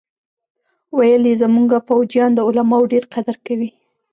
ويې ويل زمونګه فوجيان د علماوو ډېر قدر کوي.